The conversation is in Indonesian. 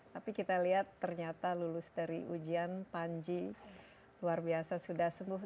tapi kita lihat ternyata lulus dari ujian panji luar biasa sudah sembuh